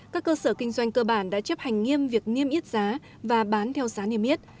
các cơ sở kinh doanh cơ bản đã chấp hành nghiêm việc niêm yết giá và bán theo giá niêm yết